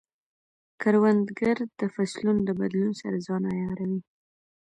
کروندګر د فصلونو د بدلون سره ځان عیاروي